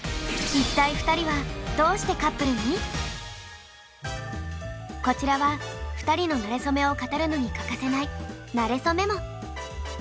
一体２人はこちらは２人のなれそめを語るのに欠かせない「なれそメモ」。